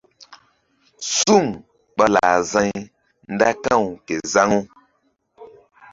Suŋ ɓa lah za̧y nda ka̧w ke zaŋu.